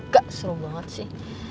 gak seru banget sih